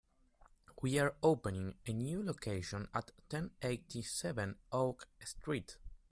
We are opening the a new location at ten eighty-seven Oak Street.